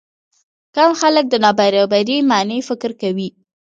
کم خلک د نابرابرۍ معنی فکر کوي.